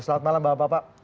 selamat malam bapak bapak